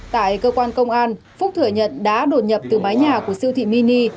tại cơ quan công an phúc thừa nhận đã đột nhập từ mái nhà của siêu thị mini